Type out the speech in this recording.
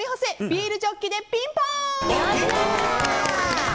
ビールジョッキｄｅピンポン。